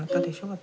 私。